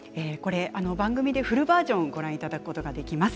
番組でフルバージョンをご覧いただくとができます。